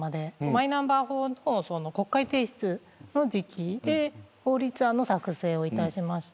マイナンバー法の国会提出の時期で法律案の作成をいたしました。